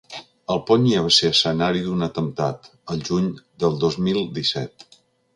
El pont ja va ser escenari d’un atemptat el juny del dos mil disset.